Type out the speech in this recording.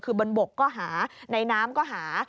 คือบนบกก็หาในน้ำก็หา